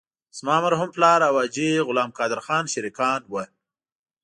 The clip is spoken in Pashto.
زما مرحوم پلار او حاجي غلام قادر خان شریکان وو.